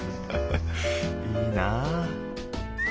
いいなあ。